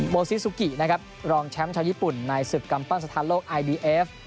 ซิซูกินะครับรองแชมป์ชาวญี่ปุ่นในศึกกำปั้นสถานโลกไอบีเอฟ